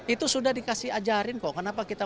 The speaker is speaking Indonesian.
itu sudah dikasih ajarin kok kenapa kita